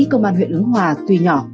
công an huyện ứng hòa tuy nhỏ